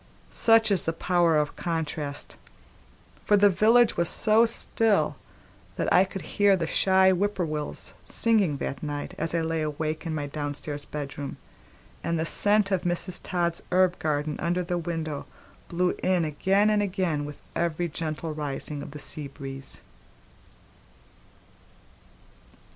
Such is the power of contrast; for the village was so still that I could hear the shy whippoorwills singing that night as I lay awake in my downstairs bedroom, and the scent of Mrs. Todd's herb garden under the window blew in again and again with every gentle rising of the seabreeze.